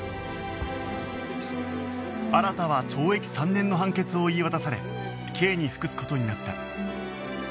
新は懲役３年の判決を言い渡され刑に服す事になった